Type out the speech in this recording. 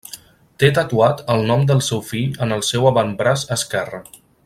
Té tatuat el nom del seu fill en el seu avantbraç esquerre.